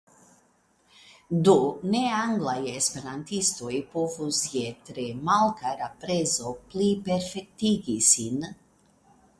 Do, ne-anglaj esperantistoj povos je tre malkara prezo pliperfektigi sin.